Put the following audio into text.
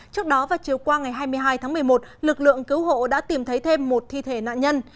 trước đó vào chiều qua ngày hai mươi hai tháng một mươi một lực lượng cứu hộ đã tìm thấy thêm một thi thể nạn nhân